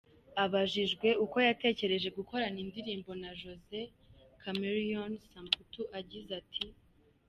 Abajijwe uko yatekereje gukorana indirimbo na Jose Chameleone, Samputu yagize ati:.